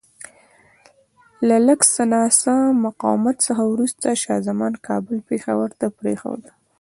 له لږ څه ناڅه مقاومت څخه وروسته شاه زمان کابل پېښور ته پرېښود.